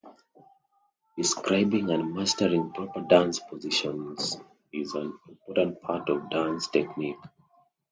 Describing and mastering proper dance positions is an important part of dance technique.